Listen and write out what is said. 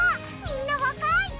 みんなわかい！